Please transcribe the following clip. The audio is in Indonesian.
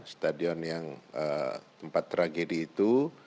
stadion yang tempat tragedi itu